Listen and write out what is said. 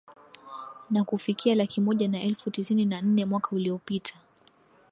na kufikia laki moja na elfu tisini na nne mwaka uliopita